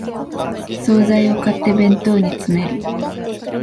総菜を買って弁当に詰める